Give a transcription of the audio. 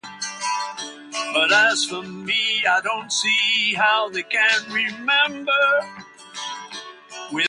McNary's running mate, Willkie, died eight months later.